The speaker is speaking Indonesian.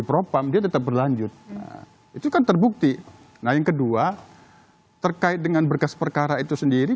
propam dia tetap berlanjut itu kan terbukti nah yang kedua terkait dengan berkas perkara itu sendiri